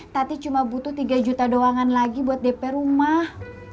tapi cuma butuh tiga juta doangan lagi buat dp rumah